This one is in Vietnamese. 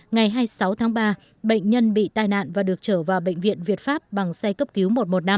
ngày hai mươi sáu tháng ba bệnh nhân bị tai nạn và được trở vào bệnh viện việt pháp bằng xe cấp cứu một trăm một mươi năm